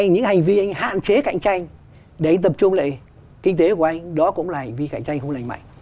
những hành vi anh hạn chế cạnh tranh để anh tập trung lại kinh tế của anh đó cũng là hành vi cạnh tranh không lành mạnh